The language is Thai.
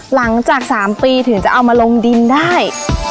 หลังจาก๓ปีถึงจะเอามาลงดินได้